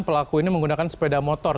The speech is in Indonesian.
pelaku ini menggunakan sepeda motor